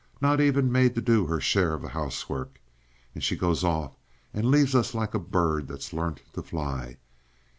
Not even made to do her share of the 'ousework. And she goes off and leaves us like a bird that's learnt to fly.